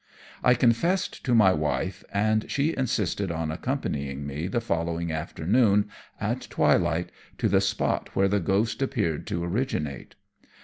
I confessed to my wife, and she insisted on accompanying me the following afternoon, at twilight, to the spot where the ghost appeared to originate.